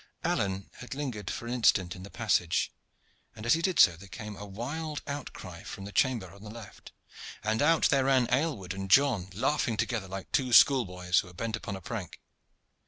Alleyne had lingered for an instant in the passage, and as he did so there came a wild outcry from a chamber upon the left, and out there ran Aylward and John, laughing together like two schoolboys who are bent upon a prank.